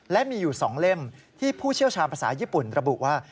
และมีอยู่๒เล่มที่ผู้เชี่ยวชาญภาษาญี่ปุ่นระบุว่า